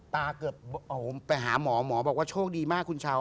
เกือบไปหาหมอหมอบอกว่าโชคดีมากคุณชาว